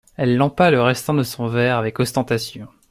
Elle lampa le restant de son verre avec ostentation.